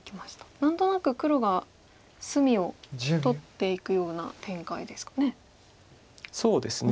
何となく黒が隅を取っていくような展開ですかね。